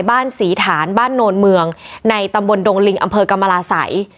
บ้านศรีฐานบ้านโนนเมืองในตำบลดงลิงอำเภอกรรมราศัย